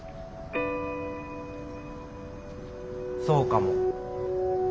そうかも。